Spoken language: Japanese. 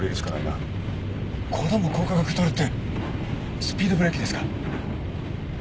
５度も降下角取るってスピードブレーキですか？